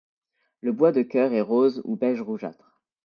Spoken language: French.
Le bois de cœur est rose ou beige rougeâtre.